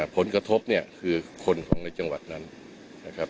ผลกระทบเนี่ยคือคนของในจังหวัดนั้นนะครับ